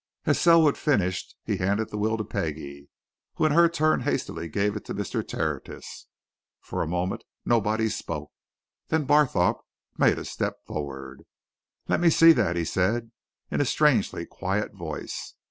'" As Selwood finished, he handed the will to Peggie, who in her turn hastily gave it to Mr. Tertius. For a moment nobody spoke. Then Barthorpe made a step forward. "Let me see that!" he said, in a strangely quiet voice.